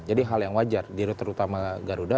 jadi hal yang wajar di terutama garuda